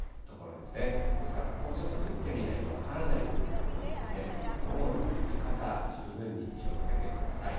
ですから、ここ、ちょっと降ってみないと分からない部分がありますので、午後の降り方、十分に気をつけてください。